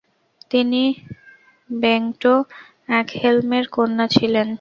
তিনি বেংট একহেলমের কন্যা ছিলেন।